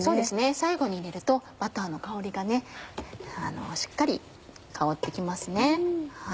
最後に入れるとバターの香りがしっかり香って来ますね。